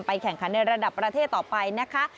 แข่งขันในระดับประเทศต่อไปนะคะ